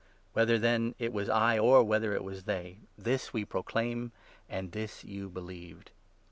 Whether, then, it was I or n whether it was they, this we proclaim, and this you believed.